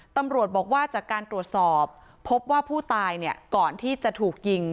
ตำรวจบอกว่าจากการตรวจสอบพบว่าผู้ตายเนี่ยก่อนที่จะถูกยิง